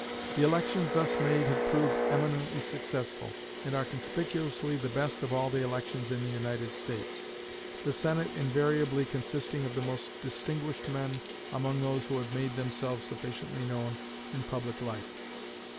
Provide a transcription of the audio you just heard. The elections thus made have proved eminently successful, and are conspicuously the best of all the elections in the United States, the Senate invariably consisting of the most distinguished men among those who have made themselves sufficiently known in public life.